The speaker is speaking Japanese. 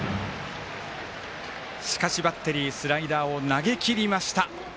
しかし、バッテリースライダーを投げきりました。